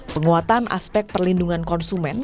penguatan aspek perlindungan konsumen